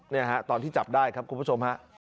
นี่ฮะตอนที่จับได้ครับคุณผู้ชมฮะ